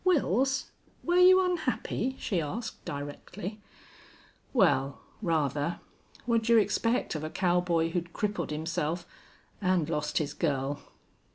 Wils, were you unhappy?" she asked, directly. "Well, rather. What'd you expect of a cowboy who'd crippled himself and lost his girl?"